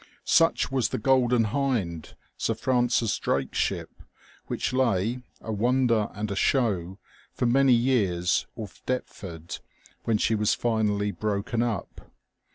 Such was the Golden Hind, Sir Francis Drake's ship, which lay, a wonder and a show, for many years, off Deptford, when she was finally broken up.